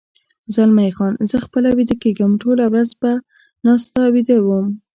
زلمی خان: زه خپله ویده کېږم، ټوله ورځ په ناسته ویده وم.